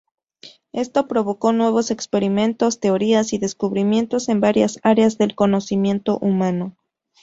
Esto provocó nuevos experimentos, teorías, y descubrimientos en varias áreas del conocimiento humano.